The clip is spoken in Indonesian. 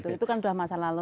itu kan sudah masa lalu